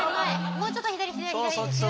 もうちょっと左左左左。